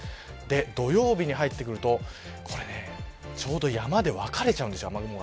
土曜日に入ってくるとちょうど山で分かれちゃうんですよ、雨雲が。